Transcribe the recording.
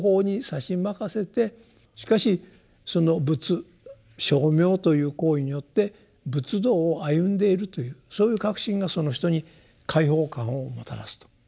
しかしその仏称名という行為によって仏道を歩んでいるというそういう確信がその人に解放感をもたらすと。